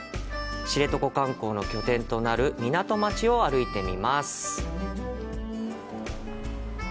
知床観光の拠点となる港町を歩いてみます。